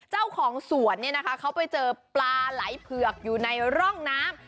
เจ้าของสวนเขาไปเจอปลาไหล่เผือกอยู่ในร่องน้ำ